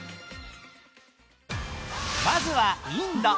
まずはインド。